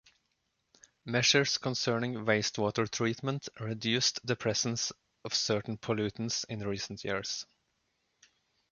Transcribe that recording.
Measures concerning wastewater treatment reduced the presence of certain pollutants in recent years.